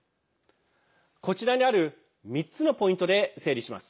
こちらにある３つのポイントで整理します。